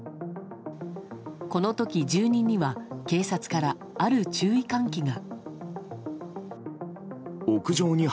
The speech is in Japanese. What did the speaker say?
この時、住人には警察からある注意喚起が。